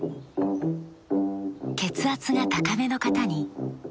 血圧が高めの方に。